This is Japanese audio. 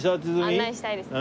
案内したいです。